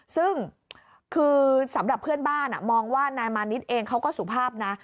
ซึ่งคือสำหรับเพื่อนบ้านมองว่านายมานิดเองเขาก็สุภาพนะ